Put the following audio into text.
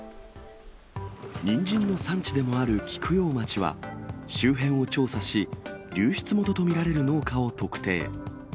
ニンジンの産地でもある菊陽町は、周辺を調査し、流出元と見られる農家を特定。